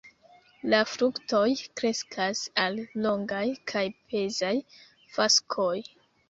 La fruktoj kreskas al longaj kaj pezaj faskoj.